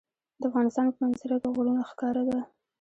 د افغانستان په منظره کې غرونه ښکاره ده.